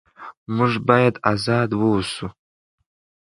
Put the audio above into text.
موږ باید ازاد واوسو.